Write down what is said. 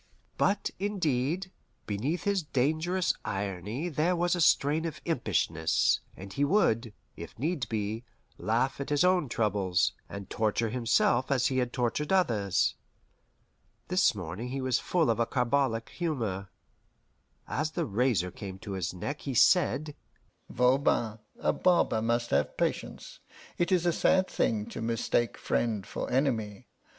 But, indeed, beneath his dangerous irony there was a strain of impishness, and he would, if need be, laugh at his own troubles, and torture himself as he had tortured others. This morning he was full of a carbolic humour. As the razor came to his neck he said: "Voban, a barber must have patience. It is a sad thing to mistake friend for enemy.